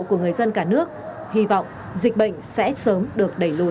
của người dân cả nước hy vọng dịch bệnh sẽ sớm được đẩy lùi